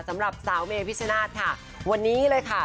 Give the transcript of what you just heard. สำหรับสาวเมพิชนาธิ์ค่ะวันนี้เลยค่ะ